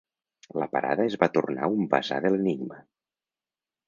La parada es va tornar un basar de l'enigma.